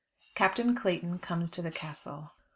CAPTAIN CLAYTON COMES TO THE CASTLE.